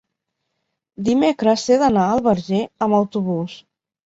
Dimecres he d'anar al Verger amb autobús.